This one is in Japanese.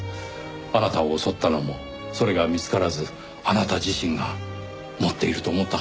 あなたを襲ったのもそれが見つからずあなた自身が持っていると思ったからではないでしょうかね。